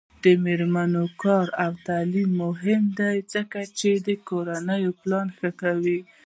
د میرمنو کار او تعلیم مهم دی ځکه چې کورنۍ پلان ښه کوي.